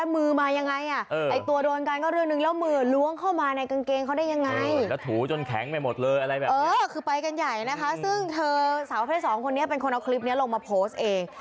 คือไปกันใหญ่นะคะซึ่งเธอสาวประเภทสองคนนี้เป็นคนเอาคลิปนี้ลงมาโพสต์เอง